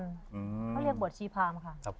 เขาเรียกบวชชีพรามค่ะ